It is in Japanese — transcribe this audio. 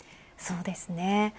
そうですね。